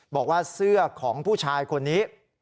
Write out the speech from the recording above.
บอกว่าเสื้อของผู้ชายคนนี้